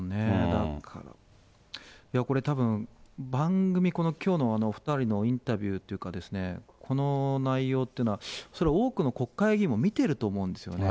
だから、いや、これ、たぶん、番組、きょうのお２人のインタビューというかですね、この内容っていうのは、それ、多くの国会議員も見てると思うんですよね。